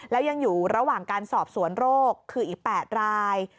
แล้วยังอยู่ระหว่างการสอบสวนโรคคืออีก๘ราย